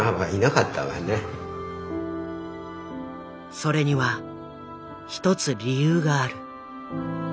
それには一つ理由がある。